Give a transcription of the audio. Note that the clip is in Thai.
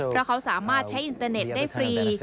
เพราะเขาสามารถใช้อินเตอร์เน็ตได้ฟรี